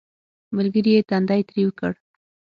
ملګري یې تندی ترېو کړ